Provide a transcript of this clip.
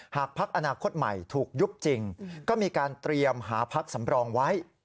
พักอนาคตใหม่ถูกยุบจริงก็มีการเตรียมหาพักสำรองไว้